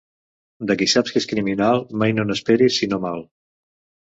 De qui saps que és criminal, mai no n'esperis sinó mal.